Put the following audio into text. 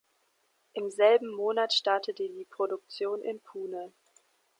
Im selben Monat startete die Produktion in Pune.